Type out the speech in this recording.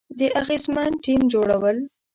د اغیزمن ټیم جوړول،